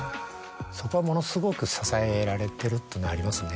そこはものすごく支えられてるっていうのはありますね。